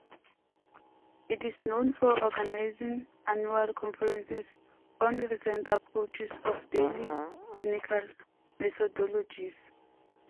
It is known for organizing annual conferences on recent approaches of daily clinical methodologies.